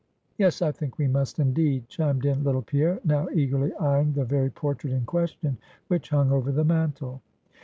"Yes, I think we must indeed," chimed in little Pierre, now eagerly eying the very portrait in question, which hung over the mantle.